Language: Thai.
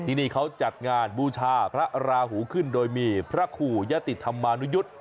ที่นี่เขาจัดงานบูชาพระราหูขึ้นโดยมีพระขู่ยติธรรมานุยุทธ์